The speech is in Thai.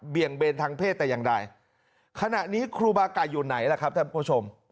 เบนทางเพศแต่อย่างใดขณะนี้ครูบาไก่อยู่ไหนล่ะครับท่านผู้ชม